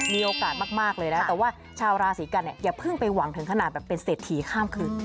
มีโอกาสมากเลยนะแต่ว่าชาวราศีกันเนี่ยอย่าเพิ่งไปหวังถึงขนาดแบบเป็นเศรษฐีข้ามคืน